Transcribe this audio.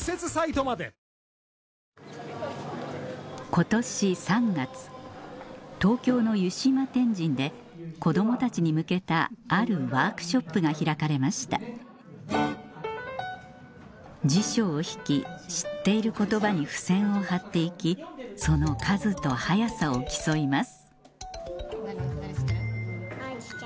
今年３月東京の湯島天神で子供たちに向けたあるワークショップが開かれました辞書を引き知っている言葉に付箋を貼っていきその数と早さを競います愛知県。